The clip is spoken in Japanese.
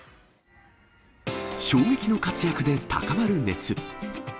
ショー撃の活躍で高まる熱。